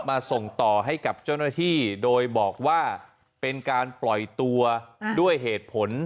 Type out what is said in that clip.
ส่งต่อให้กับเจ้าหน้าที่โดยบอกว่าเป็นการปล่อยตัวด้วยเหตุผล